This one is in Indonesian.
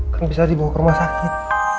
kan bisa dibawa ke rumah sakit